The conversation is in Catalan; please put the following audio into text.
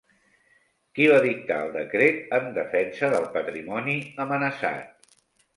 Qui va dictar el decret en defensa del patrimoni amenaçat?